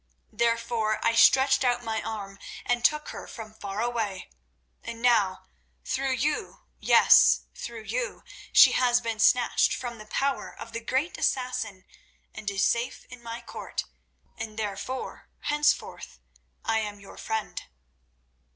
Therefore I stretched out my arm and took her from far away. And now, through you—yes, through you—she has been snatched from the power of the great Assassin, and is safe in my court, and therefore henceforth I am your friend."